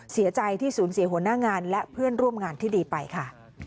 เสียใจที่สูญเสียหัวหน้างานและเพื่อนร่วมงานที่ดีไปค่ะ